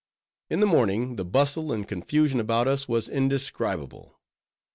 In the morning, the bustle and confusion about us was indescribable.